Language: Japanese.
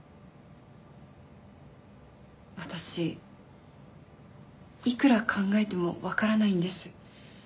私いくら考えてもわからないんです。